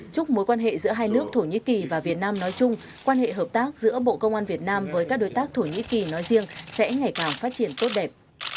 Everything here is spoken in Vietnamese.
chúc mối quan hệ giữa hai nước thổ nhĩ kỳ và việt nam nói chung quan hệ hợp tác giữa bộ công an việt nam với các đối tác thổ nhĩ kỳ nói riêng sẽ ngày càng phát triển tốt đẹp